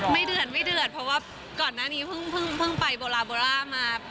ไม่เดือนไม่เดือนเพราะว่าก่อนหน้านี้เพิ่งไปบระมา